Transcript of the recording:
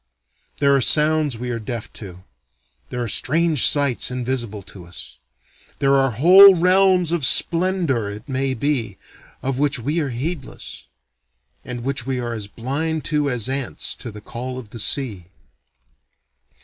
There are sounds we are deaf to, there are strange sights invisible to us. There are whole realms of splendor, it may be, of which we are heedless; and which we are as blind to as ants to the call of the sea.